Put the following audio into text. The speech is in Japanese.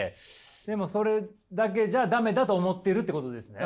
でもそれだけじゃ駄目だと思ってるってことですね？